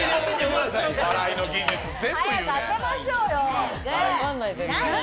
早く当てましょうよ。